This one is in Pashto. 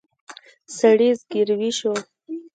سړي زګېروی شو.